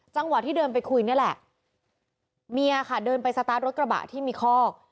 จังหวะที่เดินไปคุยนี่แหละเมียค่ะเดินไปสตาร์ทรถกระบะที่มีคอก